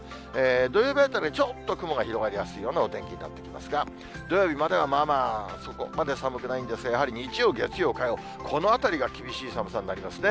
土曜日あたり、ちょっと雲が広がりやすいようなお天気になってきますが、土曜日まではまあまあ、そこまで寒くないんですが、やはり日曜、月曜、火曜、このあたりが厳しい寒さになりますね。